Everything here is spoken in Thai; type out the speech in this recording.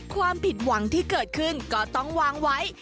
ความผิดหวังที่เกิดขึ้นก็ต้องวางไว้